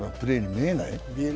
見えない。